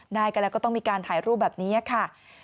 ได้กันแล้วก็ต้องมีการถ่ายรูปแบบนี้ค่ะ